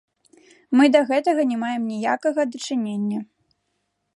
Мы да гэтага не маем ніякага дачынення.